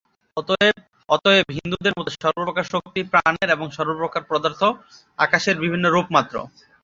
অতএব হিন্দুদের মতে সর্বপ্রকার শক্তি প্রাণের এবং সর্বপ্রকার পদার্থ আকাশের বিভিন্ন রূপমাত্র।